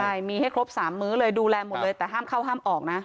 ใช่มีให้ครบ๓มื้อเลยดูแลหมดเลยแต่ห้ามเข้าห้ามออกนะ